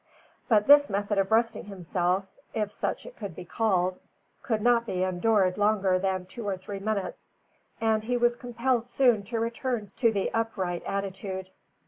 But this method of resting himself, if such it could be called, could not be endured longer than two or three minutes, and he was compelled soon to return to the upright attitude.